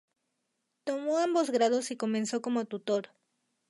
Tomó ambos grados y comenzó como Tutor.